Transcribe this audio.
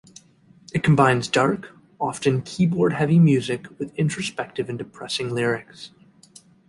It combines dark, often keyboard-heavy music with introspective and depressing lyrics.